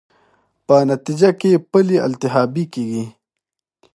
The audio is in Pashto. په نتېجه کې پلې التهابي کېږي.